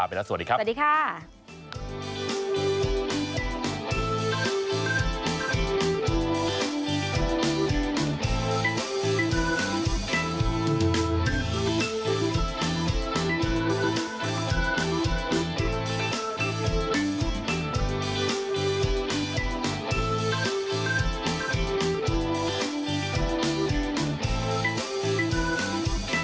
โปรดติดตามตอนต่อไป